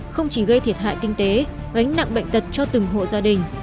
không chỉ gây thiệt hại kinh tế gánh nặng bệnh tật cho từng hộ gia đình